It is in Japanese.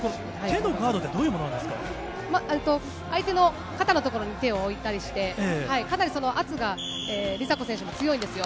手のガードって、どういうも相手の肩の所に手を置いたりして、かなり圧が、梨紗子選手も強いんですよ。